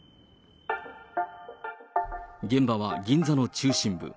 現場は銀座の中心部。